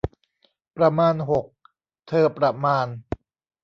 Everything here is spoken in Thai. ประมาณหก เธอประมาณ